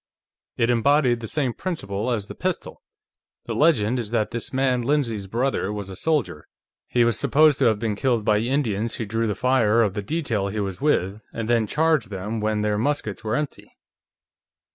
It embodied the same principle as the pistol. The legend is that this man Lindsay's brother was a soldier; he was supposed to have been killed by Indians who drew the fire of the detail he was with and then charged them when their muskets were empty."